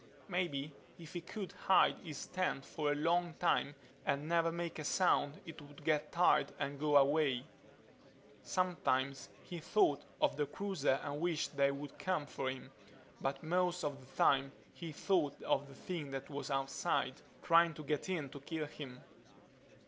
Maybe if he could hide in his tent for a long time and never make a sound it would get tired and go away ... Sometimes he thought of the cruiser and wished they would come for him but most of the time he thought of the thing that was outside, trying to get in to kill him.